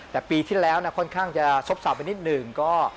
แต่ปีที่แล้วค่อนข้างจะซบเสาไปนิดหนึ่งก็